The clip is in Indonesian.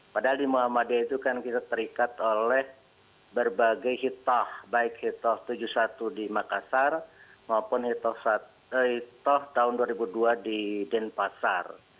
padahal di muhammadiyah itu kan kita terikat oleh berbagai hitah baik hitoh tujuh puluh satu di makassar maupun hitoh tahun dua ribu dua di denpasar